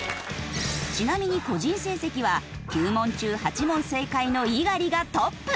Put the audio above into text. ちなみに個人成績は９問中８問正解の猪狩がトップ。